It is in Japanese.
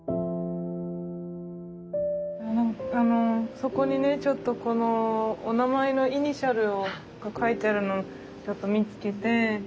そこにねちょっとこのお名前のイニシャルが書いてあるのをちょっと見つけて。